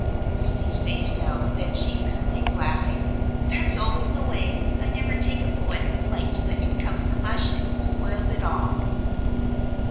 Christie's face fell, then she exclaimed laughing: "That's always the way; I never take a poetic flight but in comes the mush, and spoils it all."